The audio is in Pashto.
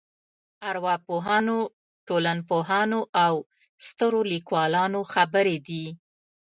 ارواپوهانو ټولنپوهانو او سترو لیکوالانو خبرې دي.